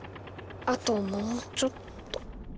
あともうちょっと。